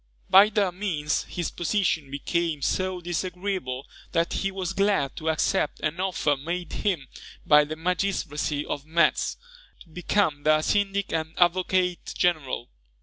By their means his position became so disagreeable that he was glad to accept an offer made him by the magistracy of Metz, to become their syndic and advocate general.